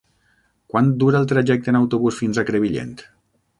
Quant dura el trajecte en autobús fins a Crevillent?